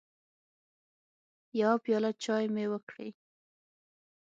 يوه پياله چايي مې وکړې